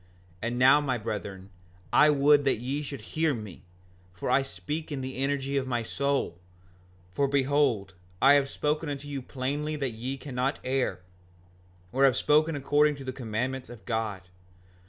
5:43 And now, my brethren, I would that ye should hear me, for I speak in the energy of my soul; for behold, I have spoken unto you plainly that ye cannot err, or have spoken according to the commandments of God.